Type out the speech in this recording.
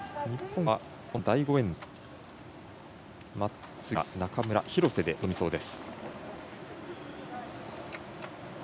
日本はこの第５エンドまた杉村と中村、廣瀬で臨みそうです。